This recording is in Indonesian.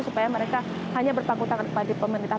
supaya mereka hanya berpaku tangan kepada pemerintah